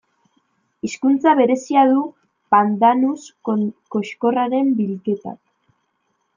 Hizkuntza berezia du pandanus koxkorraren bilketak.